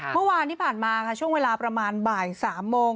เมื่อวานที่ผ่านมาค่ะช่วงเวลาประมาณบ่าย๓โมง